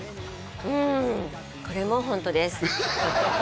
うんこれもホントです